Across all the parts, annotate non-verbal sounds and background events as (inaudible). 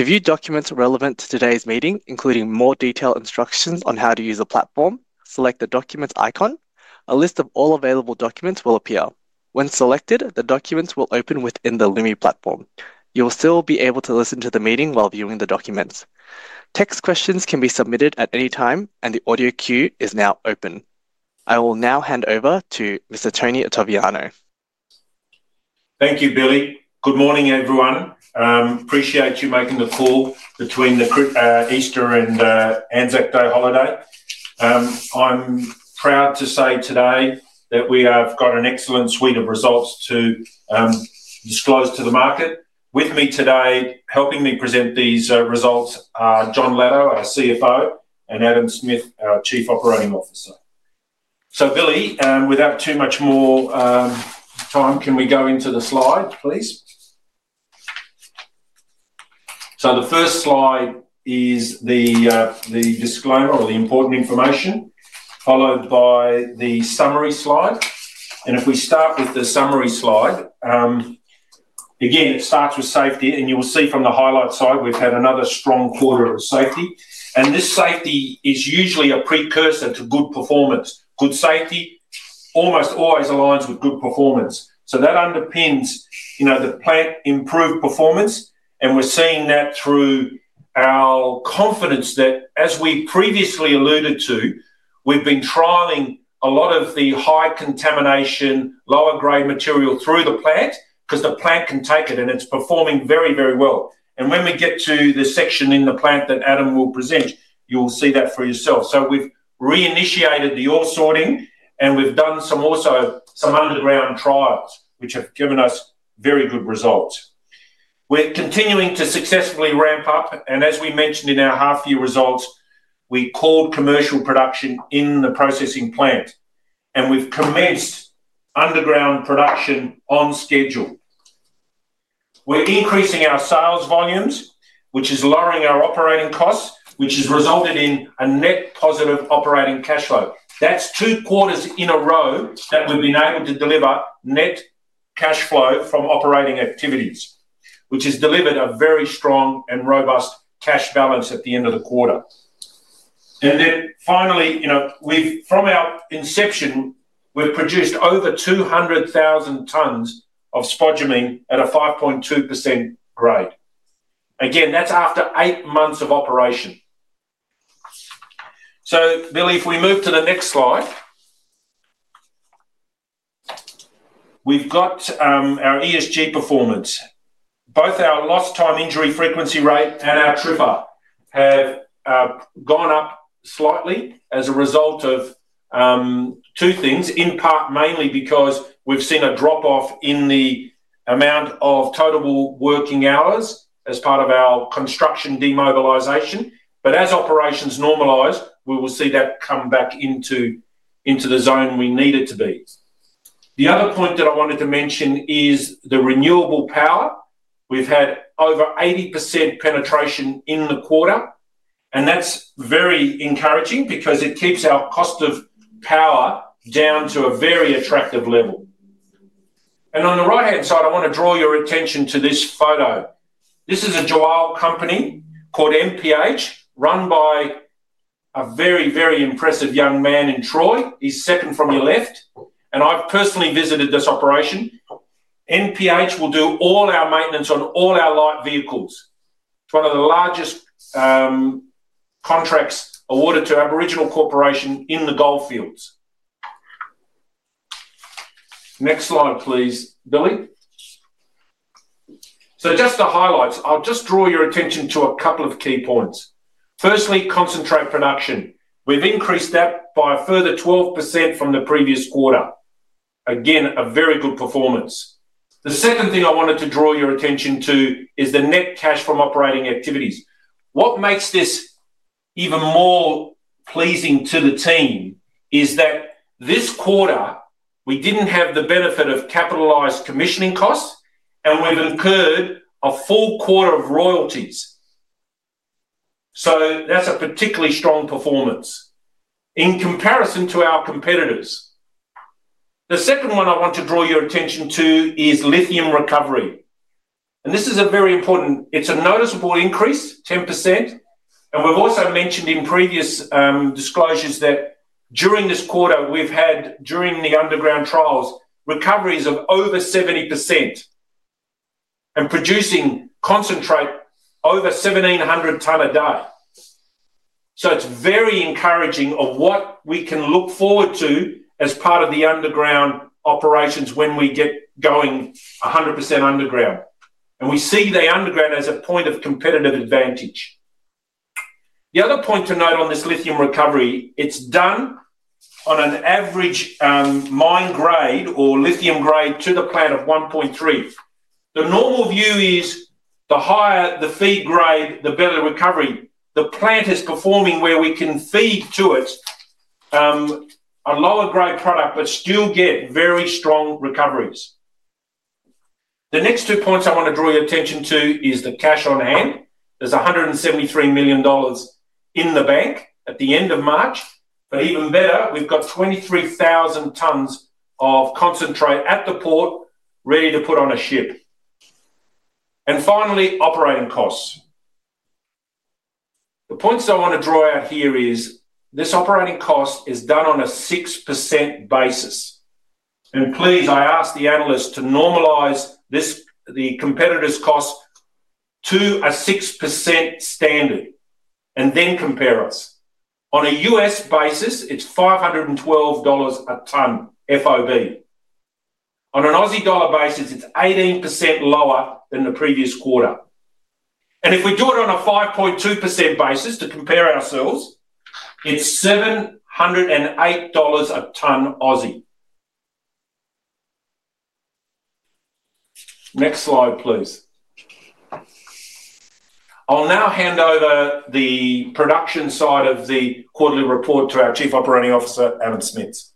To view documents relevant to today's meeting, including more detailed instructions on how to use the platform, select the Documents icon. A list of all available documents will appear. When selected, the documents will open within the Lumi platform. You will still be able to listen to the meeting while viewing the documents. Text questions can be submitted at any time, and the audio queue is now open. I will now hand over to Mr. Tony Ottaviano. Thank you, Billy. Good morning, everyone. I appreciate you making the call between Easter and Anzac Day holiday. I'm proud to say today that we have got an excellent suite of results to disclose to the market. With me today, helping me present these results, are Jon Latto, our CFO, and Adam Smits, our Chief Operating Officer. Billy, without too much more time, can we go into the slide, please? The first slide is the disclaimer or the important information, followed by the summary slide. If we start with the summary slide, again, it starts with safety. You will see from the highlight side, we've had another strong quarter of safety. This safety is usually a precursor to good performance. Good safety almost always aligns with good performance. That underpins the plant improved performance. We're seeing that through our confidence that, as we previously alluded to, we've been trialing a lot of the high-contamination, lower-grade material through the plant because the plant can take it, and it's performing very, very well. When we get to the section in the plant that Adam will present, you will see that for yourself. We've reinitiated the ore sorting, and we've done also some underground trials, which have given us very good results. We're continuing to successfully ramp up. As we mentioned in our half-year results, we called commercial production in the processing plant. We've commenced underground production on schedule. We're increasing our sales volumes, which is lowering our operating costs, which has resulted in a net positive operating cash flow. That's two quarters in a row that we've been able to deliver net cash flow from operating activities, which has delivered a very strong and robust cash balance at the end of the quarter. Finally, from our inception, we've produced over 200,000 tons of spodumene at a 5.2% grade. Again, that's after eight months of operation. Billy, if we move to the next slide, we've got our ESG performance. Both our lost time injury frequency rate and our TRIFR have gone up slightly as a result of two things, in part mainly because we've seen a drop-off in the amount of total working hours as part of our construction demobilization. As operations normalize, we will see that come back into the zone we need it to be. The other point that I wanted to mention is the renewable power. We've had over 80% penetration in the quarter. That is very encouraging because it keeps our cost of power down to a very attractive level. On the right-hand side, I want to draw your attention to this photo. This is a joint company called NPH, run by a very, very impressive young man in Troy. He is second from your left. I have personally visited this operation. NPH will do all our maintenance on all our light vehicles. It is one of the largest contracts awarded to Aboriginal Corporation in the Goldfields. Next slide, please, Billy. Just to highlight, I will draw your attention to a couple of key points. Firstly, concentrate production. We have increased that by a further 12% from the previous quarter. Again, a very good performance. The second thing I wanted to draw your attention to is the net cash from operating activities. What makes this even more pleasing to the team is that this quarter, we did not have the benefit of capitalized commissioning costs, and we have incurred a full quarter of royalties. That is a particularly strong performance in comparison to our competitors. The second one I want to draw your attention to is lithium recovery. This is a very important—it is a noticeable increase, 10%. We have also mentioned in previous disclosures that during this quarter, we have had, during the underground trials, recoveries of over 70% and producing concentrate over 1,700 ton a day. It is very encouraging of what we can look forward to as part of the underground operations when we get going 100% underground. We see the underground as a point of competitive advantage. The other point to note on this lithium recovery, it's done on an average mine grade or lithium grade to the plant of 1.3. The normal view is the higher the feed grade, the better recovery. The plant is performing where we can feed to it a lower-grade product but still get very strong recoveries. The next two points I want to draw your attention to is the cash on hand. There's 173 million dollars in the bank at the end of March. Even better, we've got 23,000 tons of concentrate at the port ready to put on a ship. Finally, operating costs. The points I want to draw out here is this operating cost is done on a 6% basis. Please, I ask the analysts to normalize the competitors' costs to a 6% standard and then compare us. On a US basis, it's 512 dollars a ton FOB. On an Aussie dollar basis, it's 18% lower than the previous quarter. If we do it on a 5.2% basis to compare ourselves, it's 708 dollars a ton. Next slide, please. I'll now hand over the production side of the quarterly report to our Chief Operating Officer, Adam Smits.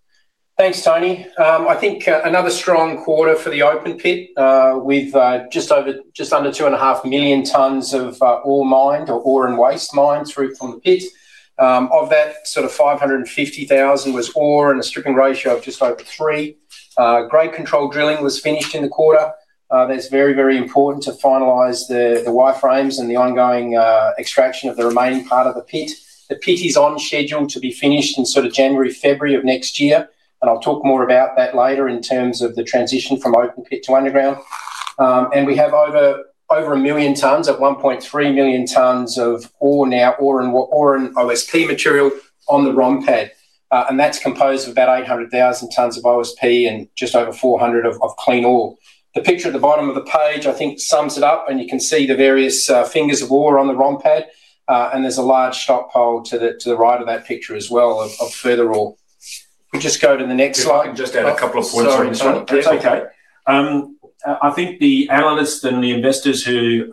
Thanks, Tony. I think another strong quarter for the open pit with just under 2.5 million tons of ore mined or ore and waste mined through from the pit. Of that, sort of 550,000 was ore in a stripping ratio of just over 3. Grade control drilling was finished in the quarter. That's very, very important to finalize the wire frames and the ongoing extraction of the remaining part of the pit. The pit is on schedule to be finished in sort of January, February of next year. I'll talk more about that later in terms of the transition from open pit to underground. We have over 1 million tons of 1.3 million tons of ore now, ore and OSP material on the ROM pad. That's composed of about 800,000 tons of OSP and just over 400,000 of clean ore. The picture at the bottom of the page, I think, sums it up. You can see the various fingers of ore on the ROM Pad. There is a large stockpile to the right of that picture as well of further ore. We will just go to the next slide. I can just add a couple of points on this one. Sorry. That's okay. I think the analysts and the investors who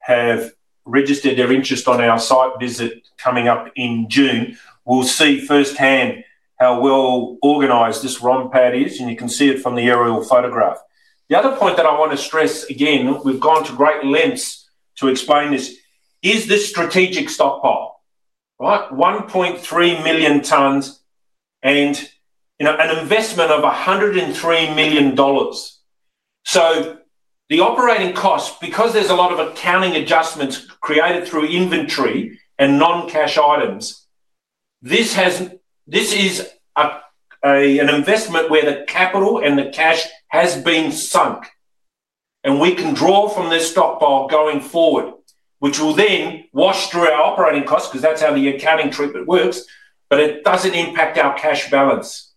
have registered their interest on our site visit coming up in June will see firsthand how well organized this ROM Pad is. You can see it from the aerial photograph. The other point that I want to stress, again, we've gone to great lengths to explain this, is this strategic stockpile. 1.3 million tons and an investment of 103 million dollars. The operating cost, because there are a lot of accounting adjustments created through inventory and non-cash items, this is an investment where the capital and the cash has been sunk. We can draw from this stockpile going forward, which will then wash through our operating costs because that's how the accounting treatment works. It does not impact our cash balance.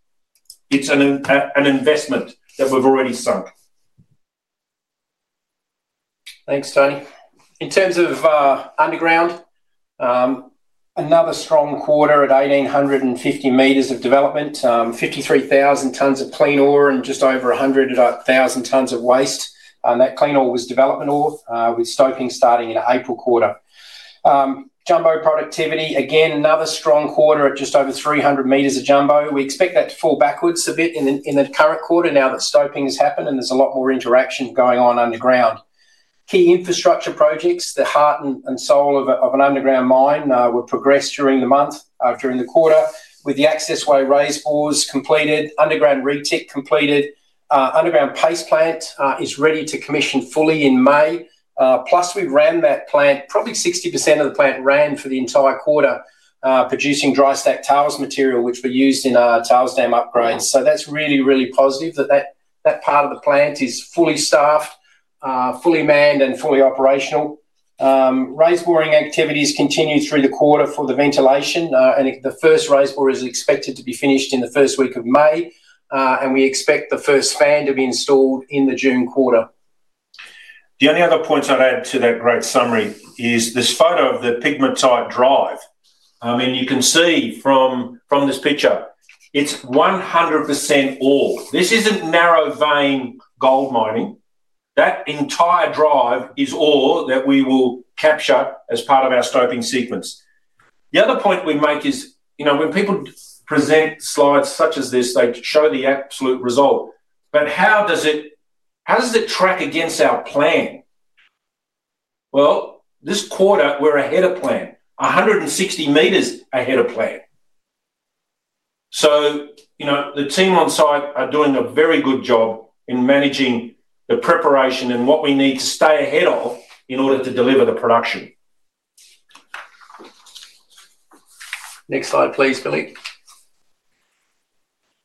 It's an investment that we've already sunk. Thanks, Tony. In terms of underground, another strong quarter at 1,850 meters of development, 53,000 tons of clean ore and just over 100,000 tons of waste. That clean ore was development ore with stopping starting in April quarter. Jumbo productivity, again, another strong quarter at just over 300 meters of jumbo. We expect that to fall backwards a bit in the current quarter now that stopping has happened and there is a lot more interaction going on underground. Key infrastructure projects, the heart and soul of an underground mine, were progressed during the month, during the quarter, with the accessway raised bores completed, underground re-tech completed. Underground paste plant is ready to commission fully in May. Plus, we ran that plant. Probably 60% of the plant ran for the entire quarter, producing dry stack tiles material, which were used in our tile stamp upgrades. That is really, really positive that that part of the plant is fully staffed, fully manned, and fully operational. Raised boring activities continue through the quarter for the ventilation. The first raised bore is expected to be finished in the first week of May. We expect the first fan to be installed in the June quarter. The only other points I'd add to that great summary is this photo of the pegmatite drive. I mean, you can see from this picture, it's 100% ore. This isn't narrow vein gold mining. That entire drive is ore that we will capture as part of our stopping sequence. The other point we make is when people present slides such as this, they show the absolute result. But how does it track against our plan? This quarter, we're ahead of plan, 160 meters ahead of plan. The team on site are doing a very good job in managing the preparation and what we need to stay ahead of in order to deliver the production. Next slide, please, Billy.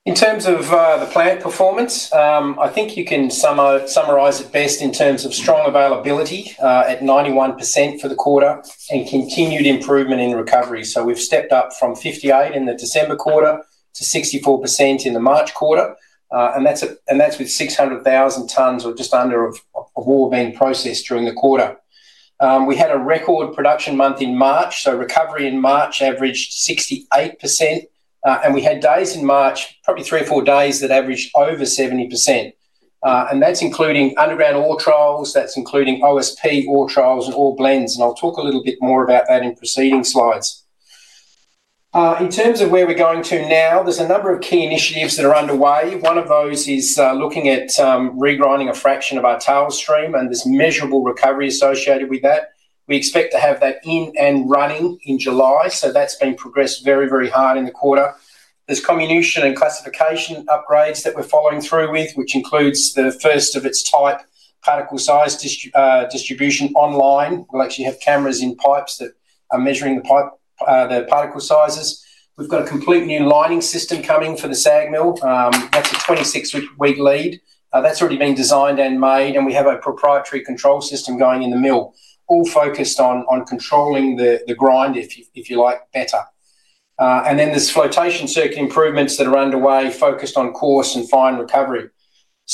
In terms of the plant performance, I think you can summarize it best in terms of strong availability at 91% for the quarter and continued improvement in recovery. We have stepped up from 58% in the December quarter to 64% in the March quarter. That is with 600,000 tons or just under of ore being processed during the quarter. We had a record production month in March. Recovery in March averaged 68%, and we had days in March, probably three or four days, that averaged over 70%. That is including underground ore trials, OSP ore trials, and ore blends. I will talk a little bit more about that in preceding slides. In terms of where we are going to now, there are a number of key initiatives that are underway. One of those is looking at regrinding a fraction of our tile stream and this measurable recovery associated with that. We expect to have that in and running in July. That has been progressed very, very hard in the quarter. There are comminution and classification upgrades that we are following through with, which includes the first of its type particle size distribution online. We will actually have cameras in pipes that are measuring the particle sizes. We have a complete new lining system coming for the SAG mill. That is a 26-week lead. That has already been designed and made. We have a proprietary control system going in the mill, all focused on controlling the grind, if you like, better. There are flotation circuit improvements that are underway, focused on coarse and fine recovery.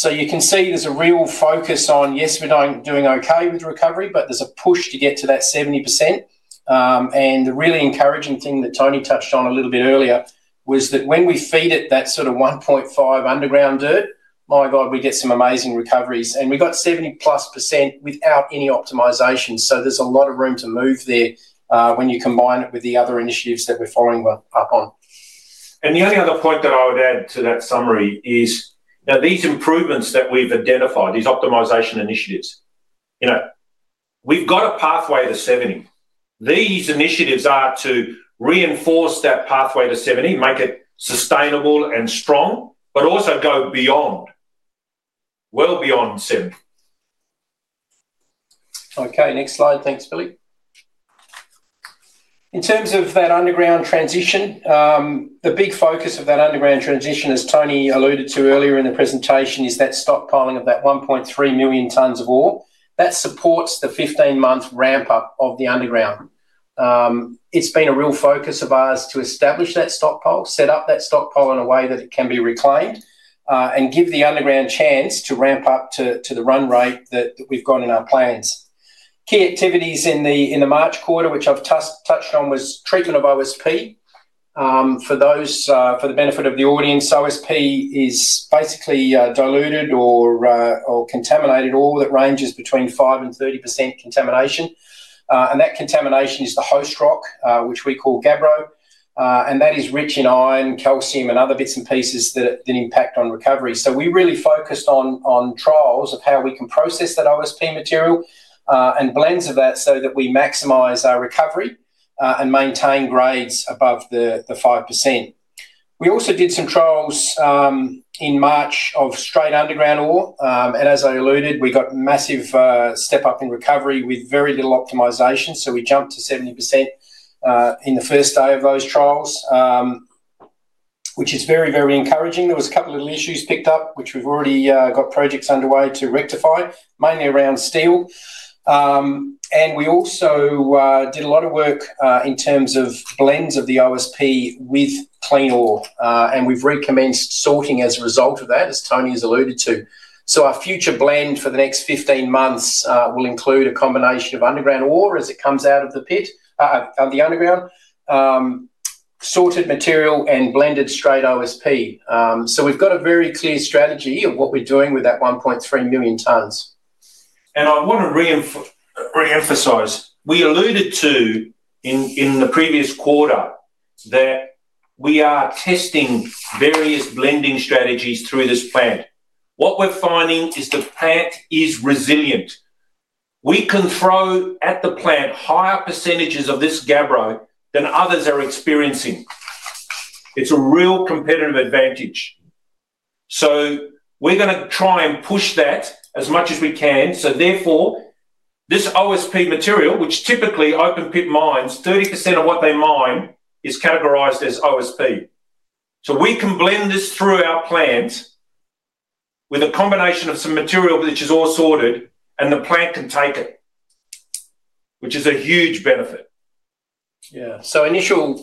You can see there's a real focus on, yes, we're doing okay with recovery, but there's a push to get to that 70%. The really encouraging thing that Tony touched on a little bit earlier was that when we feed it that sort of 1.5 underground dirt, my God, we get some amazing recoveries. We got 70% plus without any optimization. There's a lot of room to move there when you combine it with the other initiatives that we're following up on. The only other point that I would add to that summary is, now, these improvements that we've identified, these optimization initiatives, we've got a pathway to 70. These initiatives are to reinforce that pathway to 70, make it sustainable and strong, but also go beyond, well beyond 70. Okay. Next slide. Thanks, Billy. In terms of that underground transition, the big focus of that underground transition, as Tony alluded to earlier in the presentation, is that stockpiling of that 1.3 million tons of ore. That supports the 15-month ramp-up of the underground. It's been a real focus of ours to establish that stockpile, set up that stockpile in a way that it can be reclaimed, and give the underground chance to ramp up to the run rate that we've got in our plans. Key activities in the March quarter, which I've touched on, was treatment of OSP. For the benefit of the AUD ience, OSP is basically diluted or contaminated ore that ranges between 5-30% contamination. That contamination is the host rock, which we call gabbro. That is rich in iron, calcium, and other bits and pieces that impact on recovery. We really focused on trials of how we can process that OSP material and blends of that so that we maximize our recovery and maintain grades above the 5%. We also did some trials in March of straight underground ore. As I alluded, we got massive step-up in recovery with very little optimization. We jumped to 70% in the first day of those trials, which is very, very encouraging. There were a couple of issues picked up, which we have already got projects underway to rectify, mainly around steel. We also did a lot of work in terms of blends of the OSP with clean ore. We have recommenced sorting as a result of that, as Tony has alluded to. Our future blend for the next 15 months will include a combination of underground ore as it comes out of the underground, sorted material, and blended straight OSP. We have a very clear strategy of what we are doing with that 1.3 million tons. I want to re-emphasize. We alluded to in the previous quarter that we are testing various blending strategies through this plant. What we are finding is the plant is resilient. We can throw at the plant higher percentages of this gabbro than others are experiencing. It is a real competitive advantage. We are going to try and push that as much as we can. Therefore, this OSP material, which typically open pit mines, 30% of what they mine is categorized as OSP. We can blend this through our plants with a combination of some material which is ore-sorted, and the plant can take it, which is a huge benefit. Yeah. Initial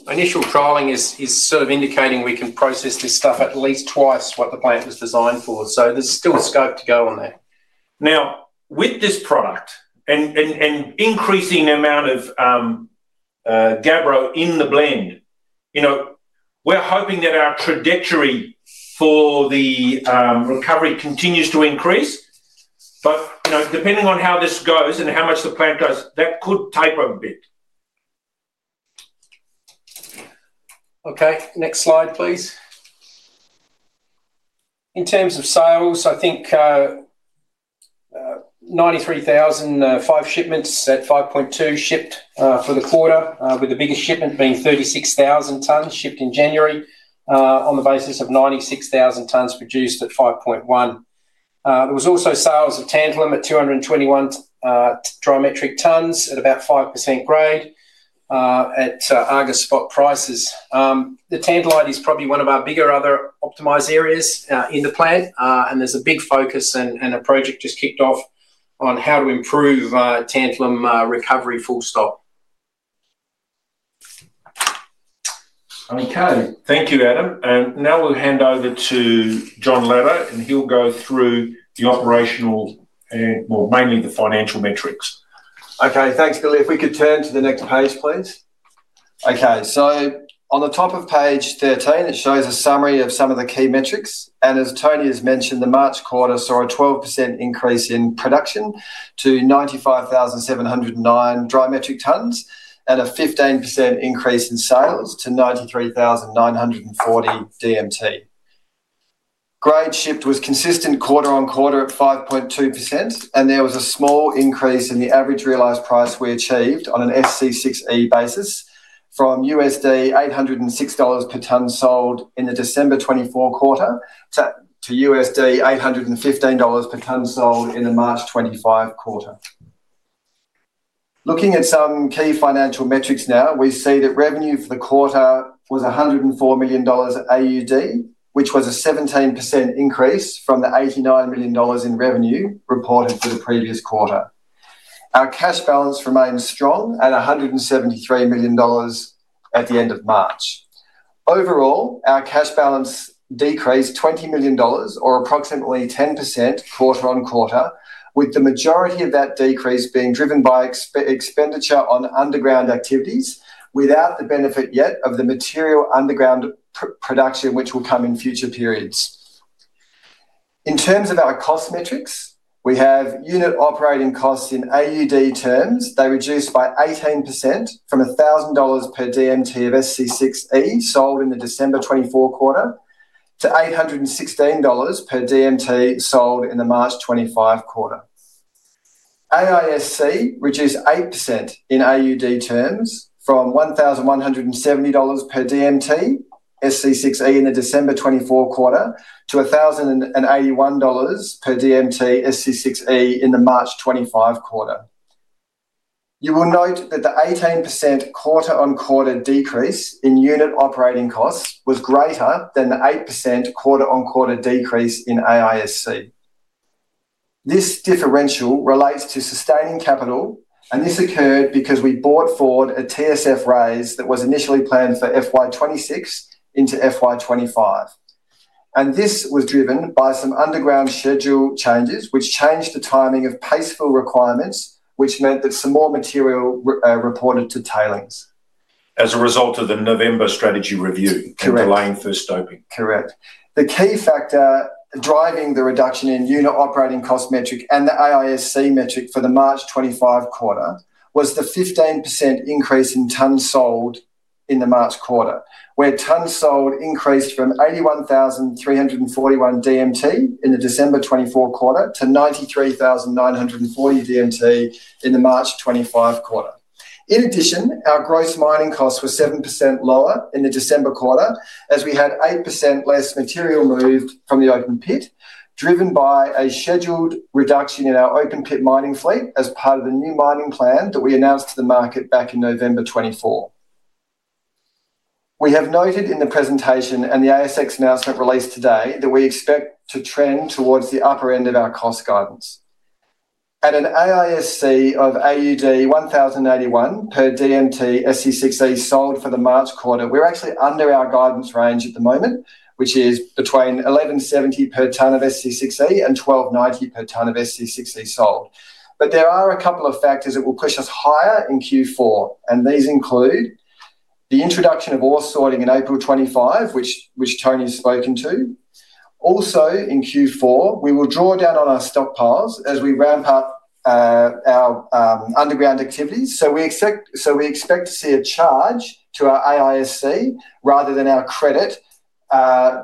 trialing is sort of indicating we can process this stuff at least twice what the plant was designed for. There is still scope to go on that. Now, with this product and increasing the amount of gabbro in the blend, we're hoping that our trajectory for the recovery continues to increase. Depending on how this goes and how much the plant goes, that could taper a bit. Okay. Next slide, please. In terms of sales, I think 93,000, five shipments at 5.2 shipped for the quarter, with the biggest shipment being 36,000 tons shipped in January on the basis of 96,000 tons produced at 5.1. There was also sales of tantalite at 221 dry metric tons at about 5% grade at Argus spot prices. The tantalite is probably one of our bigger other optimized areas in the plant. There is a big focus and a project just kicked off on how to improve tantalum recovery full stop. Okay. Thank you, Adam. Now we'll hand over to Jon Latto, and he'll go through the operational and, well, mainly the financial metrics. Okay. Thanks, Billy. If we could turn to the next page, please. Okay. On the top of page 13, it shows a summary of some of the key metrics. As Tony has mentioned, the March quarter saw a 12% increase in production to 95,709 dry metric tons and a 15% increase in sales to 93,940 DMT. Grade shift was consistent quarter on quarter at 5.2%. There was a small increase in the average realized price we achieved on an SC6E basis from 806 dollars per ton sold in the December 2024 quarter to 815 dollars per ton sold in the March 2025 quarter. Looking at some key financial metrics now, we see that revenue for the quarter was 104 million AUD, which was a 17% increase from the 89 million dollars in revenue reported for the previous quarter. Our cash balance remained strong at 173 million dollars at the end of March. Overall, our cash balance decreased 20 million dollars, or approximately 10% quarter on quarter, with the majority of that decrease being driven by expenditure on underground activities without the benefit yet of the material underground production, which will come in future periods. In terms of our cost metrics, we have unit operating costs in AUD terms. They reduced by 18% from 1,000 dollars per DMT of SC6E sold in the December 2024 quarter to 816 dollars per DMT sold in the March 2025 quarter. AISC reduced 8% in AUD terms from 1,170 dollars per DMT SC6E in the December 2024 quarter to 1,081 dollars per DMT SC6E in the March 2025 quarter. You will note that the 18% quarter on quarter decrease in unit operating costs was greater than the 8% quarter on quarter decrease in AISC. This differential relates to sustaining capital. This occurred because we brought forward a TSF raise that was initially planned for FY 2026 into FY 2025. This was driven by some underground schedule changes, which changed the timing of paste fill requirements, which meant that some more material reported to tailings. As a result of the November strategy review in the plan for stopping. Correct. The key factor driving the reduction in unit operating cost metric and the AISC metric for the March 2025 quarter was the 15% increase in ton sold in the March quarter, where ton sold increased from 81,341 DMT in the December 2024 quarter to 93,940 DMT in the March 2025 quarter. In addition, our gross mining costs were 7% lower in the December quarter as we had 8% less material moved from the open pit, driven by a scheduled reduction in our open pit mining fleet as part of the new mining plan that we announced to the market back in November 2024. We have noted in the presentation and the ASX announcement released today that we expect to trend towards the upper end of our cost guidance. At an AISC of AUD 1,081 per DMT SC6E sold for the March quarter, we're actually under our guidance range at the moment, which is between 1,170 per ton of SC6E and 1,290 per ton of SC6E sold. There are a couple of factors that will push us higher in Q4. These include the introduction of ore sorting in April 2025, which Tony has spoken to. Also, in Q4, we will draw down on our stockpiles as we ramp up our underground activities. We expect to see a charge to our AISC rather than a credit to our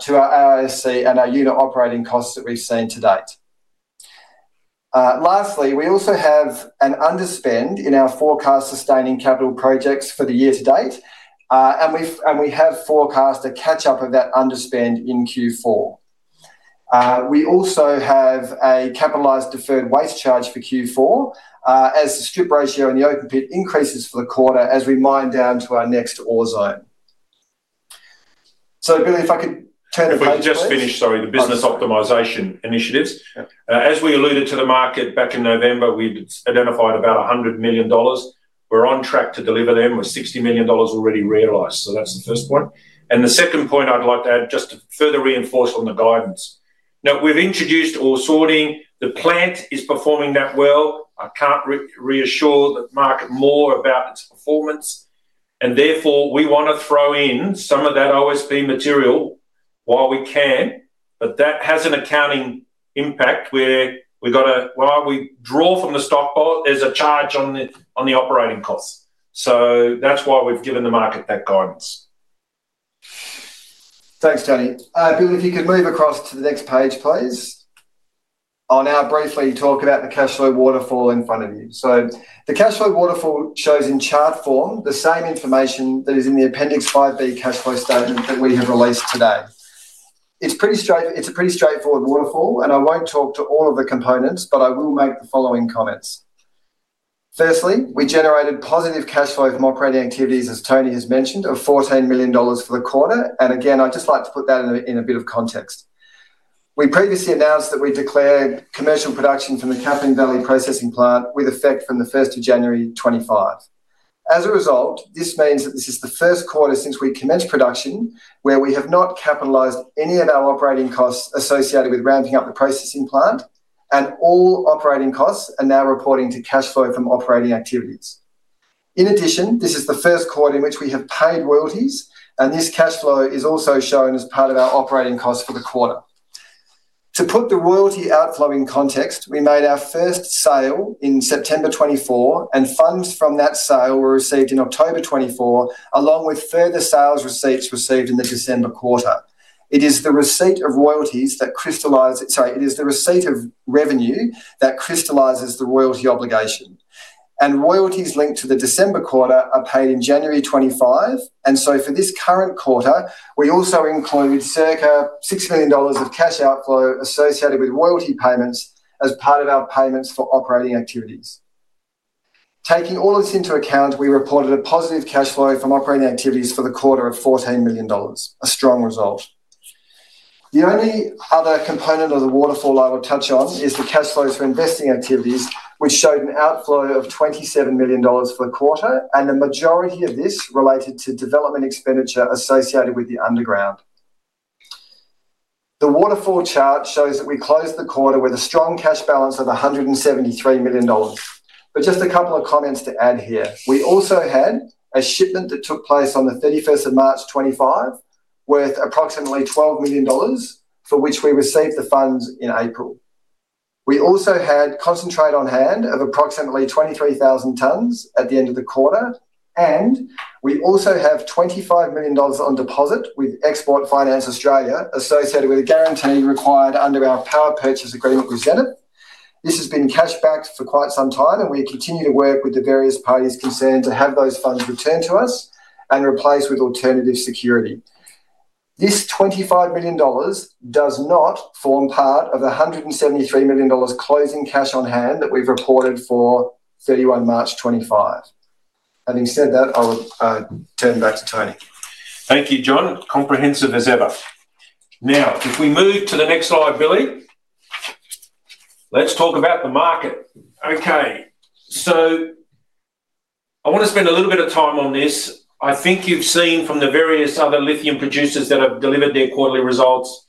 AISC and our unit operating costs that we've seen to date. Lastly, we also have an underspend in our forecast sustaining capital projects for the year to date. We have forecast a catch-up of that underspend in Q4. We also have a capitalized deferred waste charge for Q4 as the strip ratio in the open pit increases for the quarter as we mine down to our next ore zone. Billy, if I could turn the question. We've just finished, sorry, the business optimization initiatives. As we alluded to the market back in November, we'd identified about 100 million dollars. We're on track to deliver them. We're 60 million dollars already realized. That's the first point. The second point I'd like to add just to further reinforce on the guidance. Now, we've introduced ore sorting. The plant is performing that well. I can't reassure the market more about its performance. Therefore, we want to throw in some of that OSP material while we can. That has an accounting impact where we've got to, while we draw from the stockpile, there's a charge on the operating costs. That's why we've given the market that guidance. Thanks, Tony. Billy, if you could move across to the next page, please, on our briefly talk about the Cashflow Waterfall in front of you. The Cashflow Waterfall shows in chart form the same information that is in the Appendix 5B Cashflow Statement that we have released today. It is a pretty straightforward waterfall. I will not talk to all of the components, but I will make the following comments. Firstly, we generated positive cash flow from operating activities, as Tony has mentioned, of 14 million dollars for the quarter. I would just like to put that in a bit of context. We previously announced that we had declared commercial production from the Kathleen Valley Processing Plant with effect from the 1st of January 2025. As a result, this means that this is the Q1 since we commenced production where we have not capitalized any of our operating costs associated with ramping up the processing plant. All operating costs are now reporting to cash flow from operating activities. In addition, this is the Q1 in which we have paid royalties. This cash flow is also shown as part of our operating costs for the quarter. To put the royalty outflow in context, we made our first sale in September 2024. Funds from that sale were received in October 2024, along with further sales receipts received in the December quarter. It is the receipt of revenue that crystallizes the royalty obligation. Royalties linked to the December quarter are paid in January 2025. For this current quarter, we also include circa 6 million dollars of cash outflow associated with royalty payments as part of our payments for operating activities. Taking all of this into account, we reported a positive cash flow from operating activities for the quarter of 14 million dollars, a strong result. The only other component of the waterfall I will touch on is the cash flow through investing activities, which showed an outflow of 27 million dollars for the quarter. The majority of this related to development expenditure associated with the underground. The waterfall chart shows that we closed the quarter with a strong cash balance of 173 million dollars. A couple of comments to add here. We also had a shipment that took place on March 31, 2025 worth approximately 12 million dollars, for which we received the funds in April. We also had concentrate on hand of approximately 23,000 tons at the end of the quarter. We also have 25 million dollars on deposit with Export Finance Australia associated with a guarantee required under our power purchase agreement with Zenith. This has been cash backed for quite some time. We continue to work with the various parties concerned to have those funds returned to us and replaced with alternative security. This 25 million dollars does not form part of the 173 million dollars closing cash on hand that we have reported for 31 March 2025. Having said that, I'll turn back to Tony. Thank you, Jon. Comprehensive as ever. Now, if we move to the next slide, Billy, let's talk about the market. Okay. I want to spend a little bit of time on this. I think you've seen from the various other lithium producers that have delivered their quarterly results,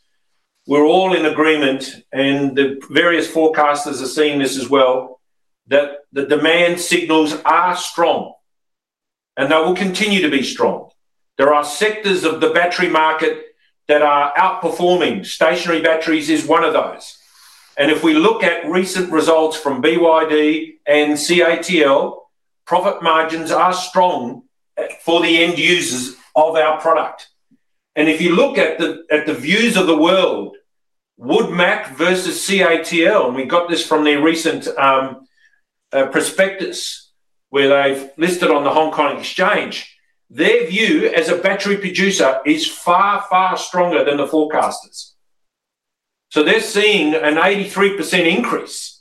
we're all in agreement, and the various forecasters have seen this as well, that the demand signals are strong. They will continue to be strong. There are sectors of the battery market that are outperforming. Stationary batteries is one of those. If we look at recent results from BYD and CATL, profit margins are strong for the end users of our product. If you look at the views of the world, Wood Mackenzie versus CATL, and we got this from their recent prospectus where they have listed on the Hong Kong Exchange, their view as a battery producer is far, far stronger than the forecasters. They are seeing an 83% increase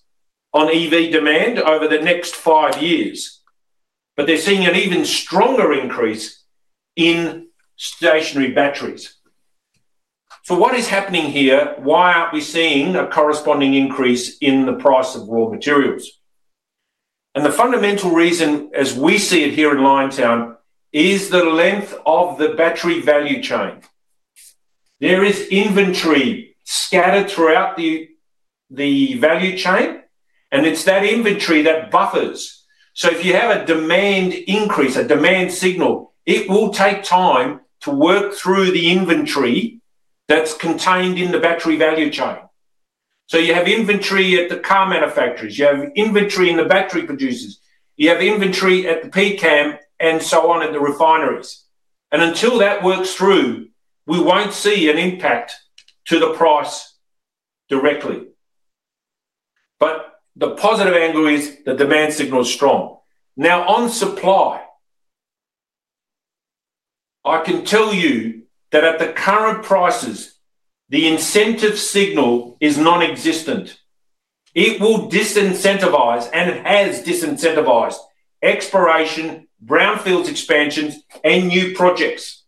on EV demand over the next five years. They are seeing an even stronger increase in stationary batteries. What is happening here? Why are we not seeing a corresponding increase in the price of raw materials? The fundamental reason, as we see it here in Liontown, is the length of the battery value chain. There is inventory scattered throughout the value chain. It is that inventory that buffers. If you have a demand increase, a demand signal, it will take time to work through the inventory that is contained in the battery value chain. You have inventory at the car manufacturers. You have inventory in the battery producers. You have inventory at the PECAM and so on at the refineries. Until that works through, we won't see an impact to the price directly. The positive angle is the demand signal is strong. Now, on supply, I can tell you that at the current prices, the incentive signal is non-existent. It will disincentivize, and it has disincentivized, exploration, brownfields expansions, and new projects.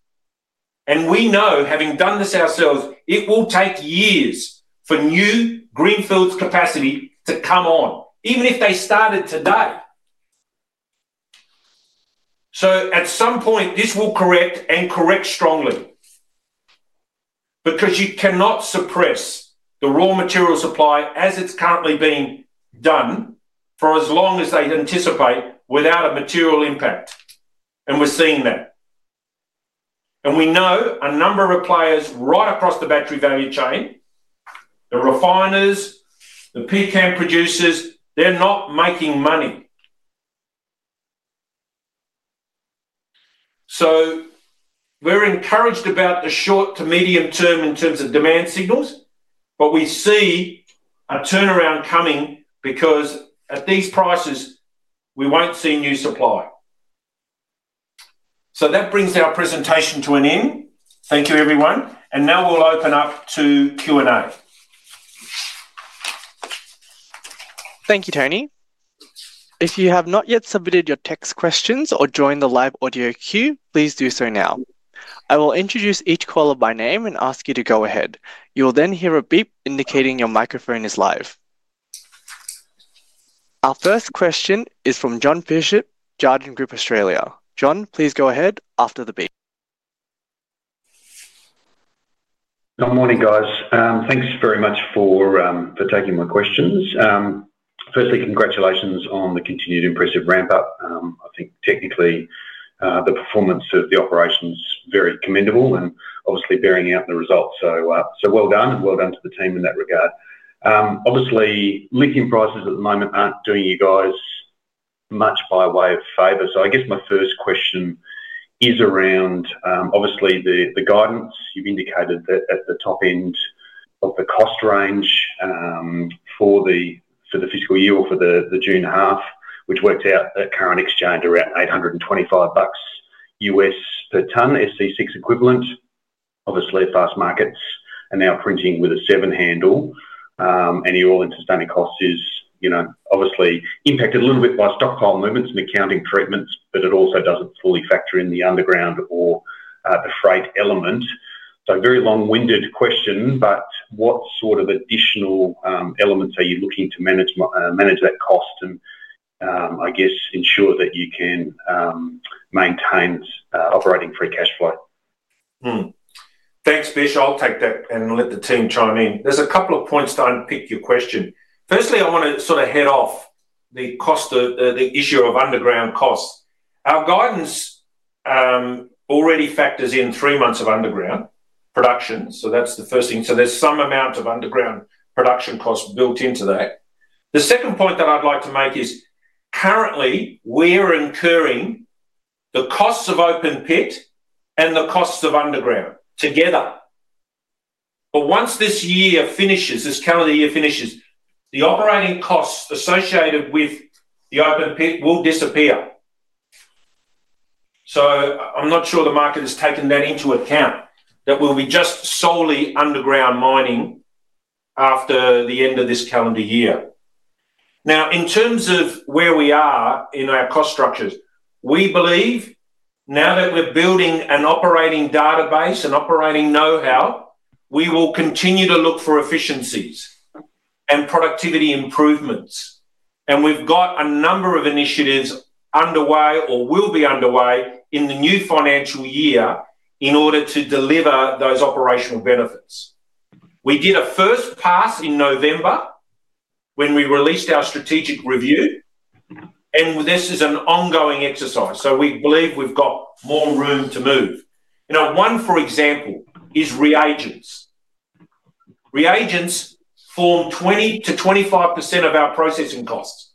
We know, having done this ourselves, it will take years for new Greenfields capacity to come on, even if they started today. At some point, this will correct and correct strongly because you cannot suppress the raw material supply as it's currently being done for as long as they anticipate without a material impact. We're seeing that. We know a number of players right across the battery value chain, the refiners, the PECAM producers, they are not making money. We are encouraged about the short to medium term in terms of demand signals. We see a turnaround coming because at these prices, we will not see new supply. That brings our presentation to an end. Thank you, everyone. We will now open up to Q&A. Thank you, Tony. If you have not yet submitted your text questions or joined the live audio queue, please do so now. I will introduce each caller by name and ask you to go ahead. You will then hear a beep indicating your microphone is live. Our first question is from Jon Bishop, Jarden Group Australia. John, please go ahead after the beep. Good morning, guys. Thanks very much for taking my questions. Firstly, congratulations on the continued impressive ramp-up. I think technically the performance of the operation is very commendable and obviously bearing out the results. So well done. Well done to the team in that regard. Obviously, lithium prices at the moment aren't doing you guys much by way of favor. I guess my first question is around, obviously, the guidance. You've indicated that at the top end of the cost range for the fiscal year or for the June half, which worked out at current exchange around 825 bucks US per ton, SC6 equivalent. Obviously, fast markets are now printing with a seven handle. Your all-in sustaining cost is obviously impacted a little bit by stockpile movements and accounting treatments. It also doesn't fully factor in the underground or the freight element. Very long-winded question. What sort of additional elements are you looking to manage that cost and, I guess, ensure that you can maintain operating free cash flow? Thanks, Bish. I'll take that and let the team chime in. There's a couple of points to unpick your question. Firstly, I want to sort of head off the issue of underground costs. Our guidance already factors in three months of underground production. That's the first thing. There's some amount of underground production costs built into that. The second point that I'd like to make is currently we're incurring the costs of open pit and the costs of underground together. Once this year finishes, this calendar year finishes, the operating costs associated with the open pit will disappear. I'm not sure the market has taken that into account, that we'll be just solely underground mining after the end of this calendar year. Now, in terms of where we are in our cost structures, we believe now that we're building an operating database and operating know-how, we will continue to look for efficiencies and productivity improvements. We have a number of initiatives underway or will be underway in the new financial year in order to deliver those operational benefits. We did a first pass in November when we released our strategic review. This is an ongoing exercise. We believe we have more room to move. One, for example, is reagents. Reagents form 20%-25% of our processing costs.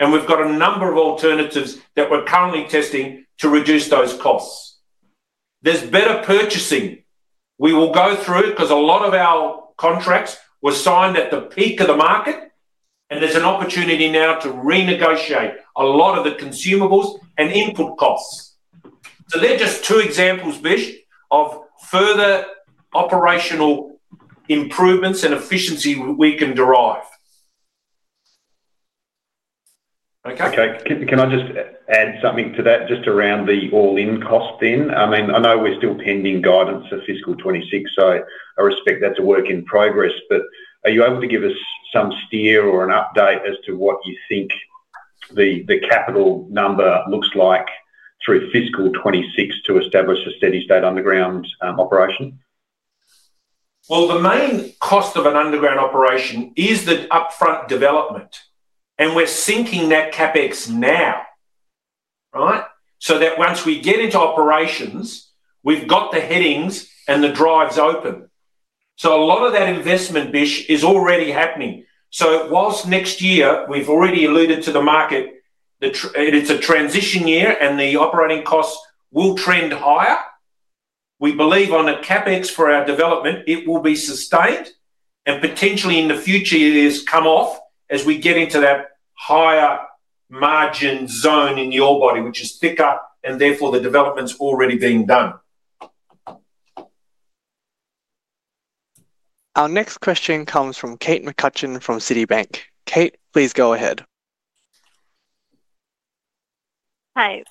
We have a number of alternatives that we're currently testing to reduce those costs. There is better purchasing we will go through because a lot of our contracts were signed at the peak of the market. There is an opportunity now to renegotiate a lot of the consumables and input costs. They are just two examples, Bish, of further operational improvements and efficiency we can derive. Okay? Okay. Can I just add something to that just around the all-in cost then? I mean, I know we're still pending guidance for fiscal 2026. I respect that's a work in progress. Are you able to give us some steer or an update as to what you think the capital number looks like through fiscal 2026 to establish a steady-state underground operation? The main cost of an underground operation is the upfront development. We are sinking that CapEx now, right, so that once we get into operations, we have the headings and the drives open. A lot of that investment, Bish, is already happening. Whilst next year we have already alluded to the market, it is a transition year and the operating costs will trend higher. We believe on the CapEx for our development, it will be sustained. Potentially in the future, it has come off as we get into that higher margin zone in the ore body, which is thicker and therefore the development is already being done. Our next question comes from Kate McCutcheon from Citibank. Kate, please go ahead. Hi.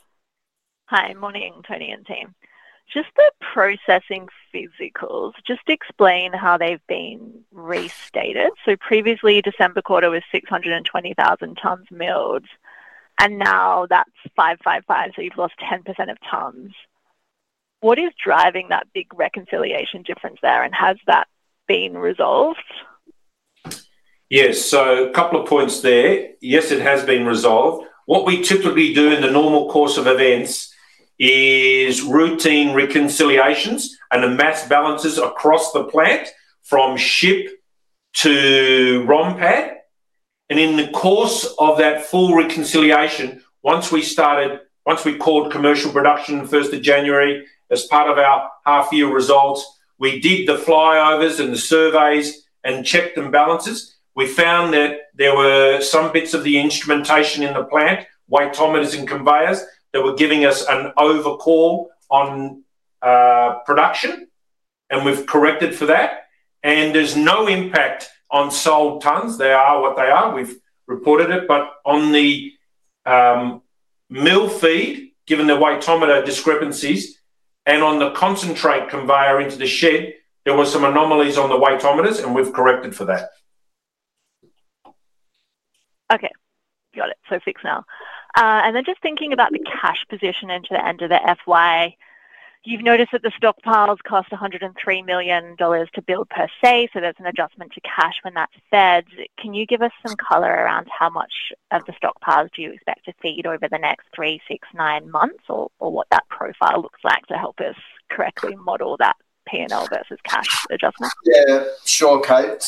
Hi. Morning, Tony and team. Just the processing physicals, just to explain how they've been restated. Previously, December quarter was 620,000 tons milled. Now that's 555, so you've lost 10% of tons. What is driving that big reconciliation difference there? Has that been resolved? Yes. A couple of points there. Yes, it has been resolved. What we typically do in the normal course of events is routine reconciliations and the mass balances across the plant from ship to ROM Pad. In the course of that full reconciliation, once we called commercial production the 1st of January as part of our half-year results, we did the flyovers and the surveys and checked and balances. We found that there were some bits of the instrumentation in the plant, waytometers and conveyors, that were giving us an overcall on production. We have corrected for that. There is no impact on sold tons. They are what they are. We have reported it. On the mill feed, given the waytometer discrepancies and on the concentrate conveyor into the shed, there were some anomalies on the waytometers. We have corrected for that. Okay. Got it. Fixed now. Just thinking about the cash position into the end of the financial year, you've noticed that the stockpiles cost 103 million dollars to build per se. There is an adjustment to cash when that is fed. Can you give us some color around how much of the stockpiles you expect to feed over the next three, six, nine months or what that profile looks like to help us correctly model that P&L versus cash adjustment? Yeah. Sure, Kate.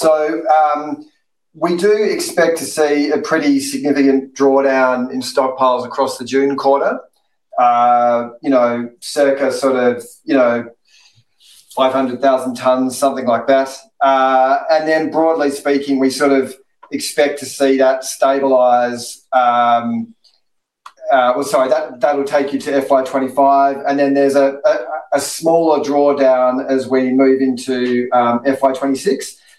We do expect to see a pretty significant drawdown in stockpiles across the June quarter, circa 500,000 tons, something like that. Broadly speaking, we expect to see that stabilize, or sorry, that will take you to FY2025. There is a smaller drawdown as we move into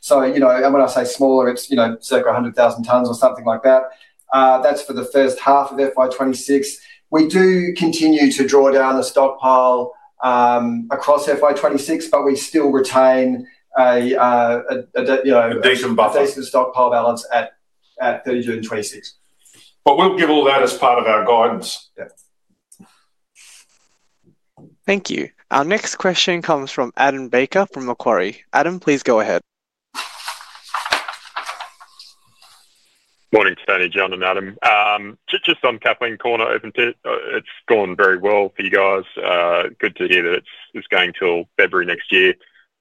FY2026. When I say smaller, it is circa 100,000 tons or something like that. That is for the first half of FY2026. We do continue to draw down the stockpile across FY2026, but we still retain a. A decent buffer. A decent stockpile balance at 30 June 2026. We will give all that as part of our guidance. Yeah. Thank you. Our next question comes from Adam Baker from Macquarie. Adam, please go ahead. Morning, Tony, John, and Adam. Just on the Capitol Inn corner, it's gone very well for you guys. Good to hear that it's going till February next year.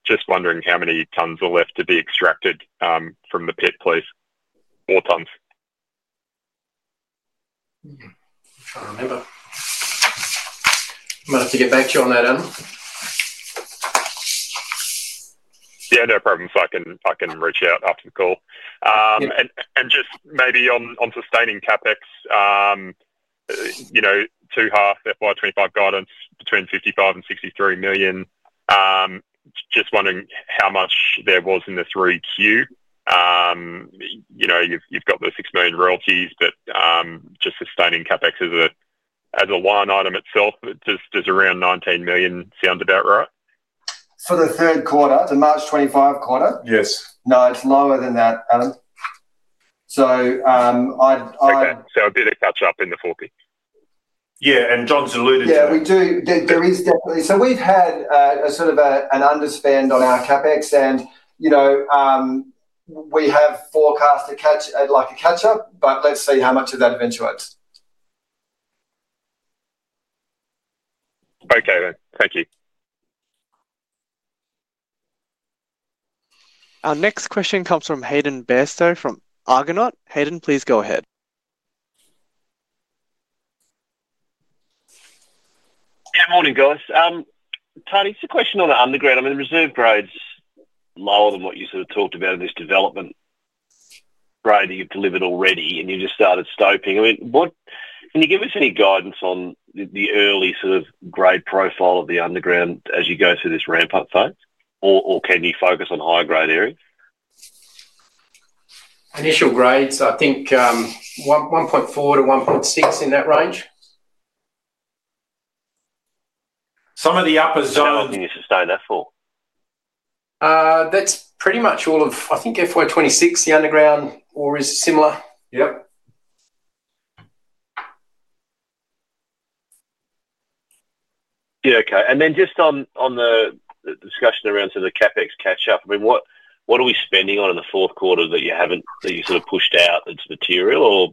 Just wondering how many tons are left to be extracted from the pit, please, or tons. Trying to remember. I'm going to have to get back to you on that, Adam. Yeah, no problem. I can reach out after the call. Just maybe on sustaining CapEx, the two half FY2025 guidance between 55 million-63 million. Just wondering how much there was in the 3Q. You have the 6 million royalties, but just sustaining CapEx as a line item itself, does around 19 million sound about right? For the third quarter, the March 25 quarter? Yes. No, it's lower than that, Adam. I. A bit of catch-up in the 40. Yeah. John's alluded to it. Yeah, we do. There is definitely. We've had sort of an understand on our CapEx. We have forecast a catch-up, but let's see how much of that eventually. Okay then. Thank you. Our next question comes from Hayden Bairstow from Argonaut. Hayden, please go ahead. Yeah, morning, guys. Tony, it's a question on the underground. I mean, the reserve grade's lower than what you sort of talked about in this development grade that you've delivered already, and you just started stoping. I mean, can you give us any guidance on the early sort of grade profile of the underground as you go through this ramp-up phase? Or can you focus on higher grade areas? Initial grades, I think 1.4-1.6 in that range. Some of the upper zone. How long can you sustain that for? That's pretty much all of, I think, FY26, the underground ore is similar. Yep. Yeah. Okay. And then just on the discussion around sort of the CapEx catch-up, I mean, what are we spending on in the fourth quarter that you haven't that you sort of pushed out that's material? Or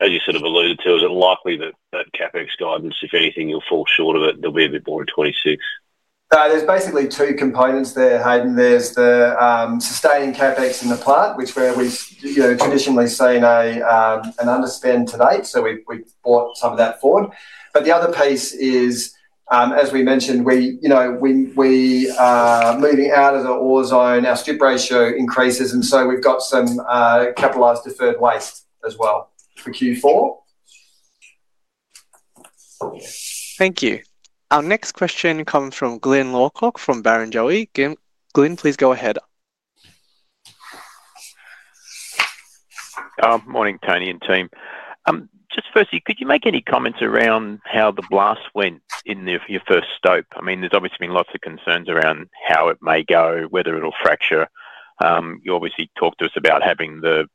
as you sort of alluded to, is it likely that CapEx guidance, if anything, you'll fall short of it? There'll be a bit more in 2026. There's basically two components there, Hayden. There's the sustaining CapEx in the plant, which we've traditionally seen and understand to date. We've brought some of that forward. The other piece is, as we mentioned, we are moving out of the ore zone. Our strip ratio increases. We have some capitalized deferred waste as well for Q4. Thank you. Our next question comes from Glyn Lawcock from Barrenjoey. Glyn, please go ahead. Morning, Tony and team. Just firstly, could you make any comments around how the blast went in your first stope? I mean, there's obviously been lots of concerns around how it may go, whether it'll fracture. You obviously talked to us about having the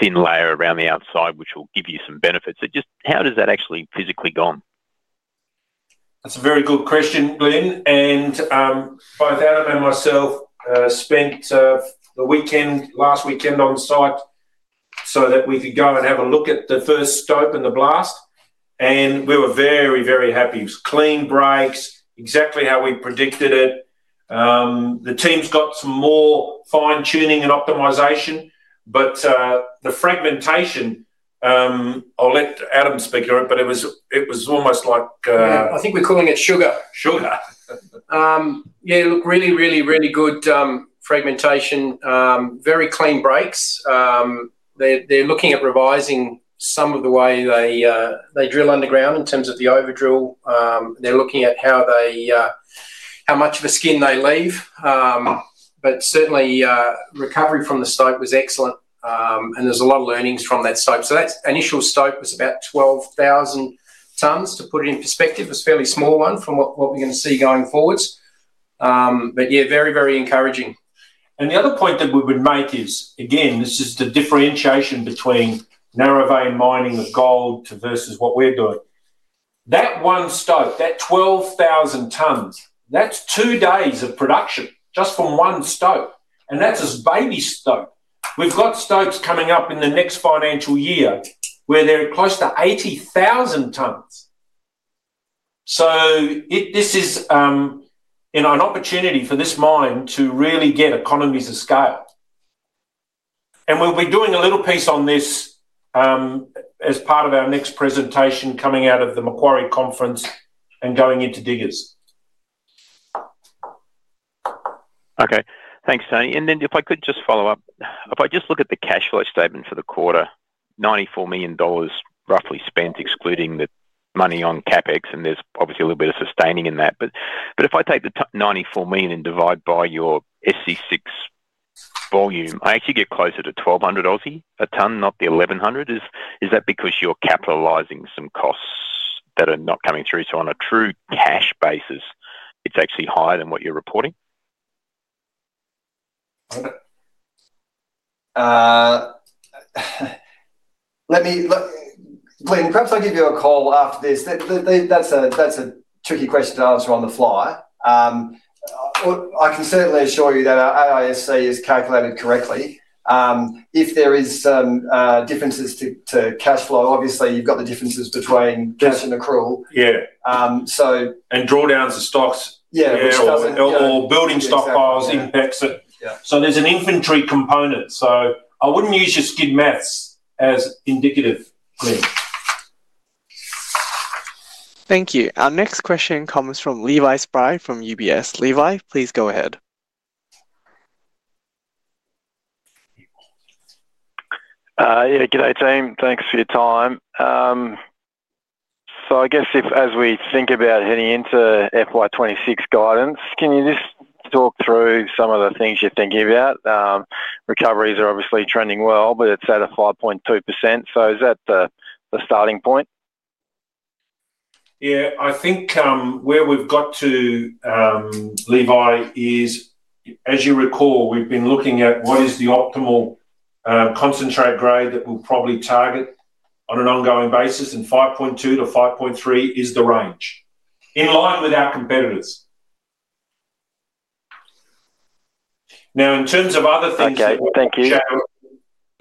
thin layer around the outside, which will give you some benefits. Just how has that actually physically gone? That's a very good question, Glyn. Both Adam and myself spent the weekend, last weekend, on site so that we could go and have a look at the first stope and the blast. We were very, very happy. It was clean breaks, exactly how we predicted it. The team's got some more fine-tuning and optimization. The fragmentation, I'll let Adam speak on it, but it was almost like, yeah, I think we're calling it sugar. Sugar. Really, really, really good fragmentation. Very clean breaks. They're looking at revising some of the way they drill underground in terms of the overdrill. They're looking at how much of a skin they leave. Certainly, recovery from the stope was excellent. There's a lot of learnings from that stope. That initial stope was about 12,000 tons. To put it in perspective, it's a fairly small one from what we're going to see going forwards. Yeah, very, very encouraging. The other point that we would make is, again, this is the differentiation between narrow-vein mining of gold versus what we're doing. That one stope, that 12,000 tons, that's two days of production just from one stope. That's a baby stope. We've got stopes coming up in the next financial year where they're close to 80,000 tons. This is an opportunity for this mine to really get economies of scale. We'll be doing a little piece on this as part of our next presentation coming out of the Macquarie conference and going into diggers. Okay. Thanks, Tony. If I could just follow up. If I just look at the cash flow statement for the quarter, 94 million dollars roughly spent excluding the money on CapEx. There is obviously a little bit of sustaining in that. If I take the 94 million and divide by your SC6 volume, I actually get closer to 1,200 a ton, not the 1,100. Is that because you are capitalizing some costs that are not coming through? On a true cash basis, is it actually higher than what you are reporting? Glyn, perhaps I'll give you a call after this. That's a tricky question to answer on the fly. I can certainly assure you that our AISC is calculated correctly. If there are some differences to cash flow, obviously, you've got the differences between cash and accrual. Drawdowns of stocks or building stockpiles impacts it. Yeah. There is an inventory component. I would not use your skid maths as indicative, Glyn. Thank you. Our next question comes from Levi Spry from UBS. Levi, please go ahead. Yeah. Good day, team. Thanks for your time. I guess if as we think about heading into FY26 guidance, can you just talk through some of the things you're thinking about? Recoveries are obviously trending well, but it's at a 5.2%. Is that the starting point? Yeah. I think where we've got to, Levi, is as you recall, we've been looking at what is the optimal concentrate grade that we'll probably target on an ongoing basis. And 5.2-5.3 is the range in line with our competitors. Now, in terms of other things. Okay. Thank you.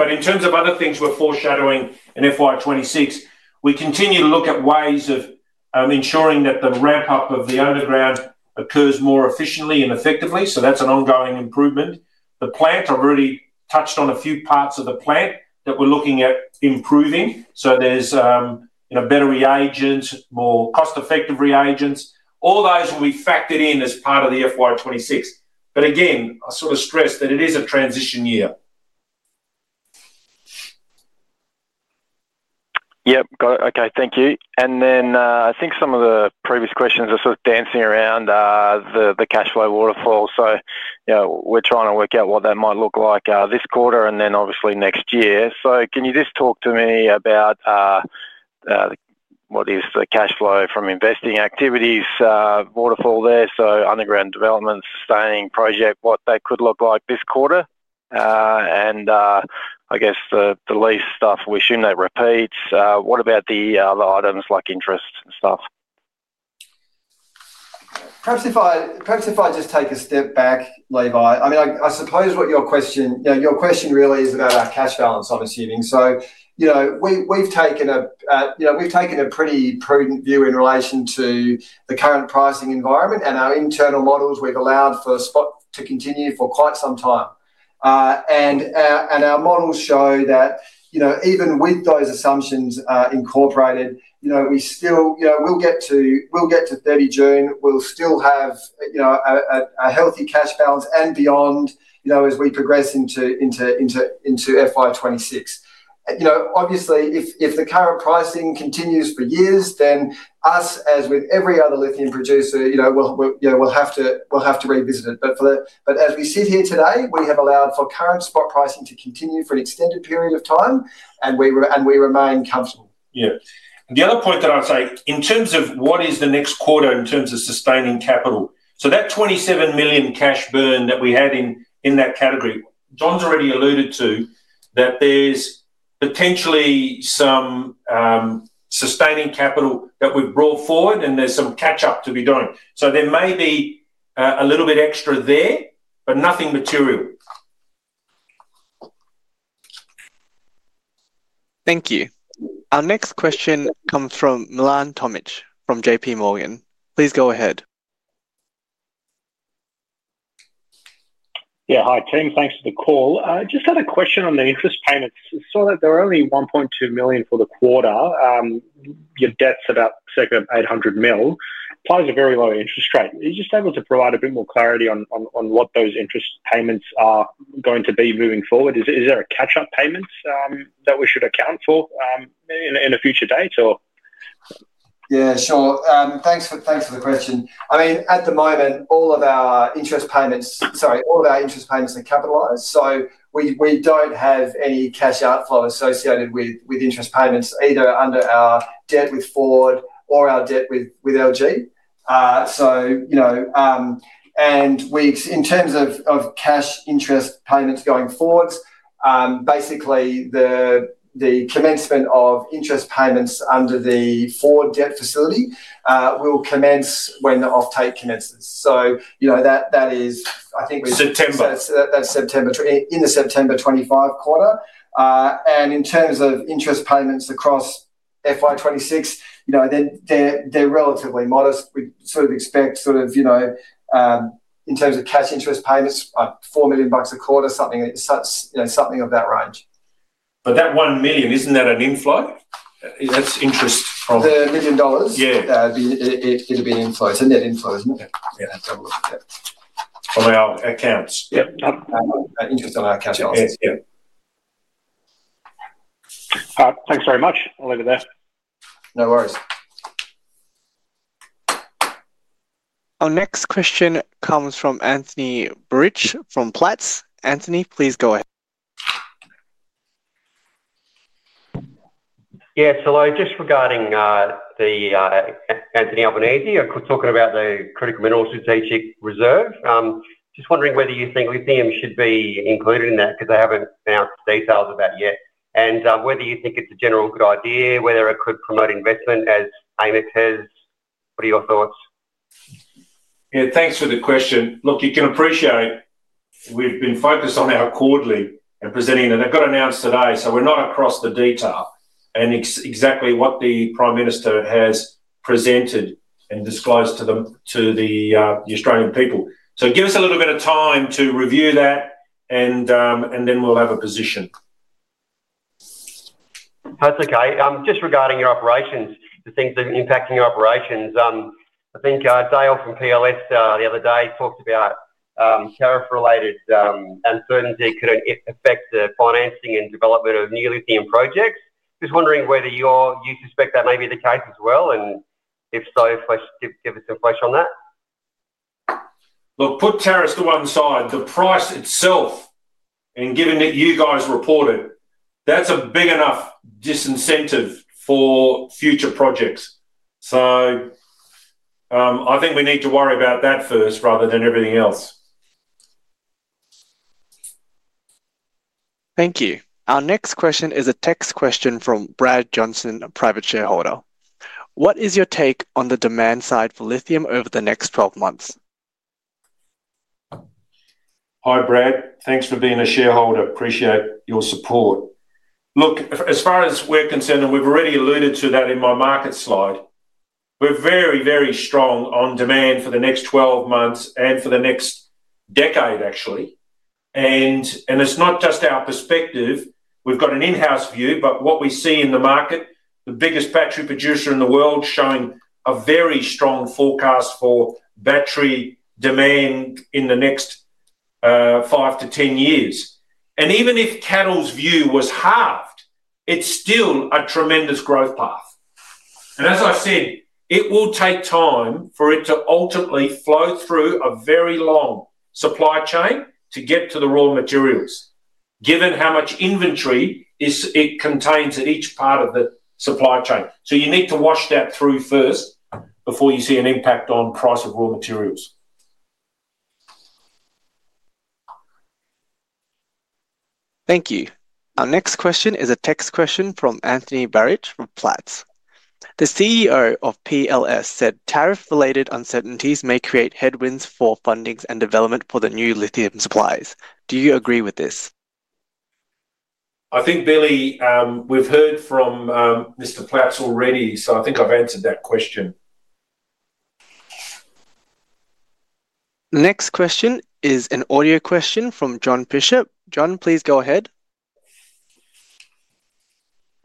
In terms of other things we're foreshadowing in FY26, we continue to look at ways of ensuring that the ramp-up of the underground occurs more efficiently and effectively. That is an ongoing improvement. The plant, I've already touched on a few parts of the plant that we're looking at improving. There are better reagents, more cost-effective reagents. All those will be factored in as part of the FY26. Again, I sort of stress that it is a transition year. Yep. Okay. Thank you. I think some of the previous questions are sort of dancing around the cash flow waterfall. We are trying to work out what that might look like this quarter and then obviously next year. Can you just talk to me about what is the cash flow from investing activities waterfall there? Underground development, sustaining project, what that could look like this quarter. I guess the lease stuff, we are assuming that repeats. What about the other items like interest and stuff? Perhaps if I just take a step back, Levi. I mean, I suppose what your question really is about our cash balance, I'm assuming. We've taken a pretty prudent view in relation to the current pricing environment and our internal models. We've allowed for a spot to continue for quite some time. Our models show that even with those assumptions incorporated, we still will get to 30 June. We'll still have a healthy cash balance and beyond as we progress into FY2026. Obviously, if the current pricing continues for years, then us, as with every other lithium producer, will have to revisit it. As we sit here today, we have allowed for current spot pricing to continue for an extended period of time, and we remain comfortable. Yeah. The other point that I'd say in terms of what is the next quarter in terms of sustaining capital. That 27 million cash burn that we had in that category, John's already alluded to that there's potentially some sustaining capital that we've brought forward, and there's some catch-up to be done. There may be a little bit extra there, but nothing material. Thank you. Our next question comes from Milan Tomic from JP Morgan. Please go ahead. Yeah. Hi, team. Thanks for the call. Just had a question on the interest payments. I saw that there are only 1.2 million for the quarter. Your debt's about 800 million. Applies a very low interest rate. Are you just able to provide a bit more clarity on what those interest payments are going to be moving forward? Is there a catch-up payment that we should account for in a future date, or? Yeah, sure. Thanks for the question. I mean, at the moment, all of our interest payments are capitalized. So we do not have any cash outflow associated with interest payments, either under our debt with Ford or our debt with LG. In terms of cash interest payments going forwards, basically, the commencement of interest payments under the Ford debt facility will commence when the off-take commences. So that is, I think. September. That's September in the September 25 quarter. In terms of interest payments across FY26, they're relatively modest. We sort of expect sort of in terms of cash interest payments, 4 million bucks a quarter, something of that range. (crosstalk) That 1 million, isn't that an inflow? That's interest from. The million dollars? Yeah. It'd be an inflow. It's a net inflow, isn't it? Yeah. On our accounts. Yeah. Interest on our cash balance. Yeah. Thanks very much. I'll leave it there. No worries. Our next question comes from Anthony Barich from Platts. Anthony, please go ahead. Yeah. Just regarding Anthony Albanese, talking about the critical mineral strategic reserve, just wondering whether you think lithium should be included in that because they have not announced details about it yet. And whether you think it is a general good idea, whether it could promote investment as AMEC has. What are your thoughts? Yeah. Thanks for the question. Look, you can appreciate we've been focused on our quarterly and presenting it. They've got announced today. We are not across the detail and exactly what the Prime Minister has presented and disclosed to the Australian people. Give us a little bit of time to review that, and then we'll have a position. That's okay. Just regarding your operations, the things that are impacting your operations, I think Dale from PLS the other day talked about tariff-related uncertainty could affect the financing and development of new lithium projects. Just wondering whether you suspect that may be the case as well. If so, give us some flesh on that. Look, put tariffs to one side. The price itself, and given that you guys reported, that's a big enough disincentive for future projects. I think we need to worry about that first rather than everything else. Thank you. Our next question is a text question from Brad Johnson, a private shareholder. What is your take on the demand side for lithium over the next 12 months? Hi, Brad. Thanks for being a shareholder. Appreciate your support. Look, as far as we're concerned, and we've already alluded to that in my market slide, we're very, very strong on demand for the next 12 months and for the next decade, actually. It's not just our perspective. We've got an in-house view, but what we see in the market, the biggest battery producer in the world showing a very strong forecast for battery demand in the next 5-10 years. Even if CATL's view was halved, it's still a tremendous growth path. As I've said, it will take time for it to ultimately flow through a very long supply chain to get to the raw materials, given how much inventory it contains at each part of the supply chain. You need to wash that through first before you see an impact on the price of raw materials. Thank you. Our next question is a text question from Anthony Barrage from Platts. The CEO of PLS said tariff-related uncertainties may create headwinds for funding and development for the new lithium supplies. Do you agree with this? I think, Billy, we've heard from Mr. Platts already, so I think I've answered that question. Next question is an AUD io question from Jon Bishop. John, please go ahead.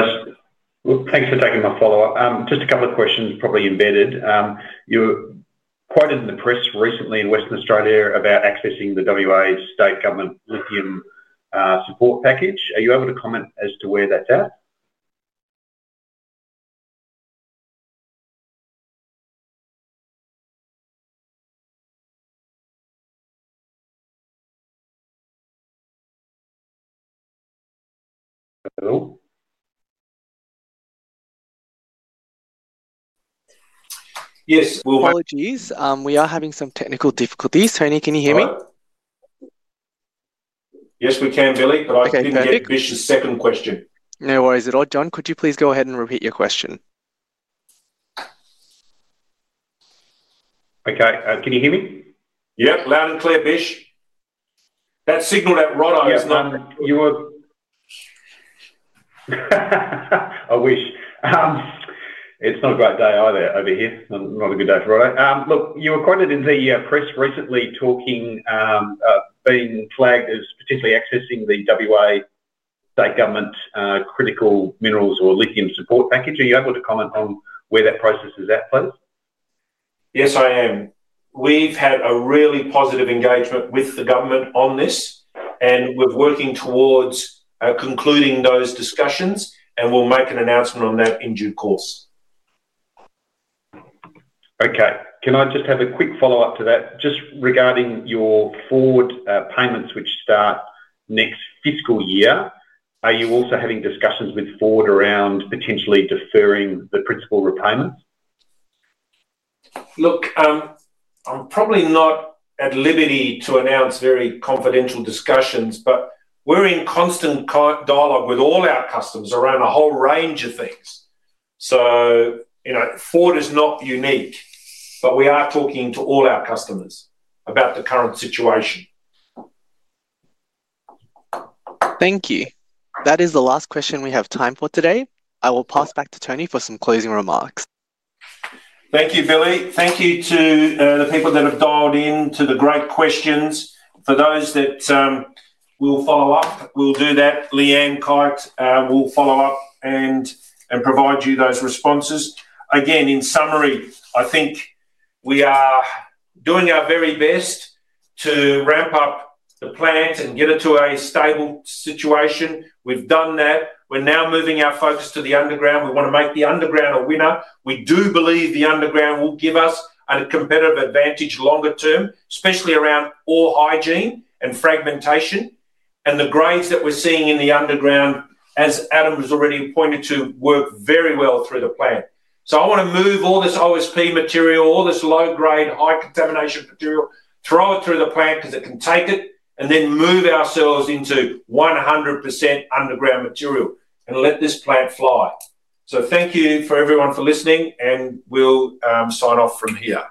Thanks for taking my follow-up. Just a couple of questions probably embedded. You were quoted in the press recently in Western Australia about accessing the WA State Government lithium support package. Are you able to comment as to where that's at? Yes. Apologies. We are having some technical difficulties. Tony, can you hear me? Yes, we can, Billy, but I didn't hear Bish's second question. No worries at all. John, could you please go ahead and repeat your question? Okay. Can you hear me? Yep. Loud and clear, Bish. That signal at Rhodo is not. I wish. It's not a great day either over here. Not a good day for Rhodo. Look, you were quoted in the press recently being flagged as potentially accessing the WA State Government critical minerals or lithium support package. Are you able to comment on where that process is at, please? Yes, I am. We've had a really positive engagement with the government on this, and we're working towards concluding those discussions, and we'll make an announcement on that in due course. Okay. Can I just have a quick follow-up to that? Just regarding your Ford payments, which start next fiscal year, are you also having discussions with Ford around potentially deferring the principal repayments? Look, I'm probably not at liberty to announce very confidential discussions, but we're in constant dialogue with all our customers around a whole range of things. Ford is not unique, but we are talking to all our customers about the current situation. Thank you. That is the last question we have time for today. I will pass back to Tony for some closing remarks. Thank you, Billy. Thank you to the people that have dialed in to the great questions. For those that will follow up, we will do that. Leanne Koz will follow up and provide you those responses. Again, in summary, I think we are doing our very best to ramp up the plant and get it to a stable situation. We have done that. We are now moving our focus to the underground. We want to make the underground a winner. We do believe the underground will give us a competitive advantage longer term, especially around ore hygiene and fragmentation. The grades that we are seeing in the underground, as Adam has already pointed to, work very well through the plant. I want to move all this OSP material, all this low-grade, high-contamination material, throw it through the plant because it can take it, and then move ourselves into 100% underground material and let this plant fly. Thank you for everyone for listening, and we'll sign off from here.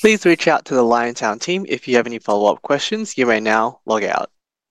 Please reach out to the Liontown team if you have any follow-up questions. You may now log out.